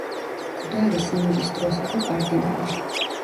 მკვდარი სინოდის დროს იყო კარდინალი.